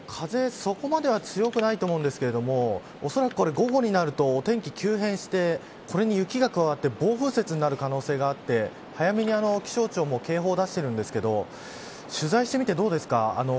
そこまで強くないと思うんですがおそらく午後になるとお天気、急変してこれに雪が加わって暴風雪になる可能性があって早めに気象庁も警報を出しているんですが取材してみてどうですか。